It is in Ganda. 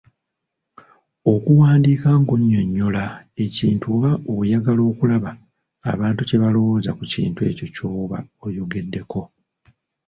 Okuwandiika ng’onnyonnyola ekintu oba oyagala okulaba abantu kye balawooza ku kintu ekyo ky’oba oyogeddeko.